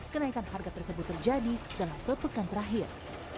kenaikan harga tersebut terjadi dalam sepekan terakhir